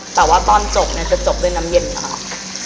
แต่ว่าตอนจบเนี่ยจะจบด้วยน้ำเย็นนะครับ